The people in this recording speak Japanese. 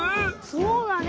そうだね！